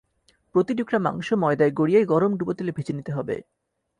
প্রতি টুকরা মাংস ময়দায় গড়িয়ে গরম ডুবো তেলে ভেজে নিতে হবে।